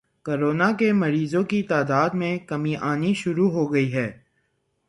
corona کے مریضوں کی تعداد میں کمی آنی شروع ہو گئی ہے